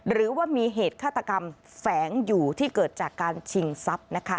หรือว่ามีเหตุฆาตกรรมแฝงอยู่ที่เกิดจากการชิงทรัพย์นะคะ